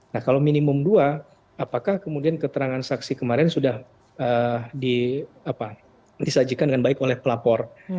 nah kalau minimum dua apakah kemudian keterangan saksi kemarin sudah disajikan dengan baik oleh pelapor